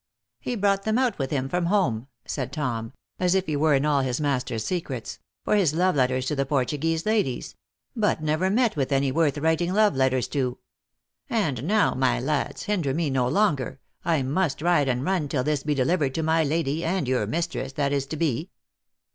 " He brought them out with him from home," said Tom, as if he were in ail his master s secrets, " for his love letters to the Portuguese ladies but never met with any worth writing love letters to. And, now, my lads, hinder me no longer, I must ride and run till this be delivered to my lady, and your mistress, that is to be."